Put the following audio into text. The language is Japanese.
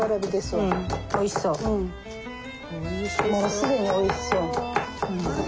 もう既においしそう。